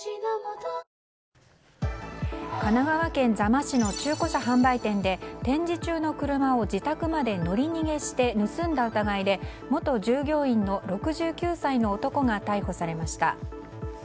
神奈川県座間市の中古車販売店で、展示中の車を自宅まで乗り逃げして盗んだ疑いで、元従業員の６９歳の男が逮捕されました。